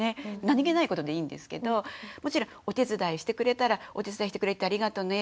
何気ないことでいいんですけどもちろんお手伝いしてくれたらお手伝いしてくれてありがとね